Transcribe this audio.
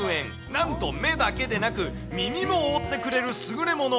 なんと目だけでなく、耳も覆ってくれる優れもの。